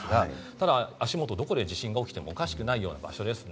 ただ足元、どこで地震が起きてもおかしくない場所です。